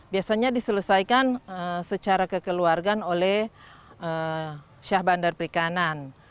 biasanya diselesaikan secara kekeluargaan oleh syah bandar perikanan